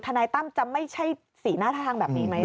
นายตั้มจะไม่ใช่สีหน้าท่าทางแบบนี้ไหม